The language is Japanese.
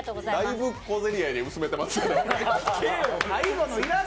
だいぶ小競り合いで薄めてますよ。